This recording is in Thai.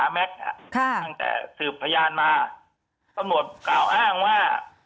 มาหาแม็กซ์น่ะค่ะตั้งแต่สืบพยานมาต้นวดกล่าวอ้างว่า